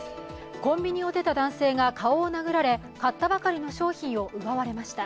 コンビニを出た男性が顔を殴られ、買ったばかりの商品を奪われました。